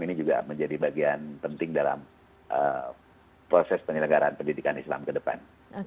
ini juga menjadi bagian penting dalam proses penyelenggaraan pendidikan islam ke depan